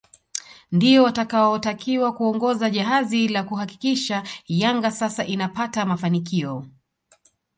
Ndio watakaotakiwa kuongoza jahazi la kuhakikisha Yanga sasa inapata mafanikio